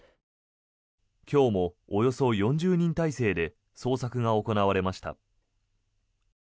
今日もおよそ４０人態勢で捜索が行われました。